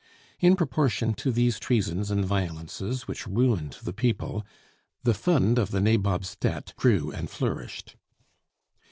In proportion to these treasons and violences, which ruined the people, the fund of the Nabob's debt grew and flourished.